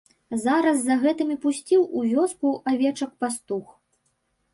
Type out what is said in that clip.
Зараз за гэтым і пусціў у вёску авечак пастух.